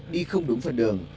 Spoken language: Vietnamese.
đi không đúng phần đường